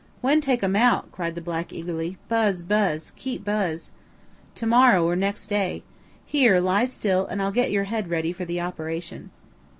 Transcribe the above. "When take um out?" cried the black eagerly; "buzz buzz. Keep buzz." "To morrow or next day. Here, lie still, and I'll get your head ready for the operation."